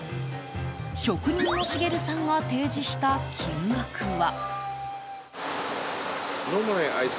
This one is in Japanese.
職人の茂さんが提示した金額は。